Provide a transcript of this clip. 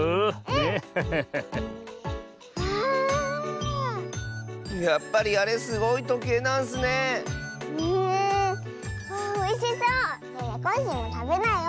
ねえコッシーもたべなよ！